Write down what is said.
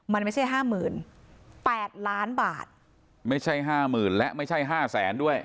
มันไม่ใช่ห้าหมื่นแปดล้านบาทไม่ใช่ห้าหมื่นและไม่ใช่ห้าแสนด้วย